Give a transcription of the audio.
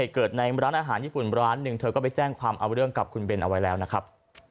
เกิดในร้านอาหารญี่ปุ่นร้านหนึ่งเธอก็ไปแจ้งความเอาเรื่องกับคุณเบนเอาไว้แล้วนะครับ